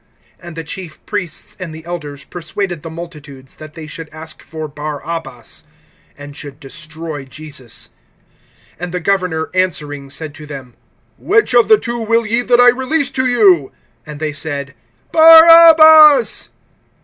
(20)And the chief priests and the elders persuaded the multitudes, that they should ask for Barabbas, and should destroy Jesus. (21)And the governor answering said to them: Which of the two will ye that I release to you? And they said: Barabbas.